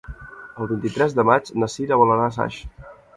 El vint-i-tres de maig na Cira vol anar a Saix.